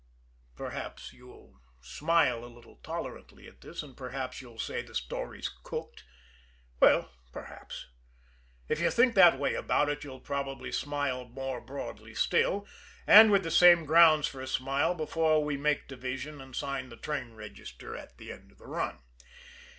Perhaps you'll smile a little tolerantly at this, and perhaps you'll say the story's "cooked." Well, perhaps! If you think that way about it, you'll probably smile more broadly still, and with the same grounds for a smile, before we make division and sign the train register at the end of the run.